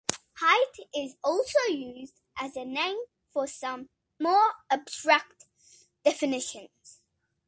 Height is also used as a name for some more abstract definitions.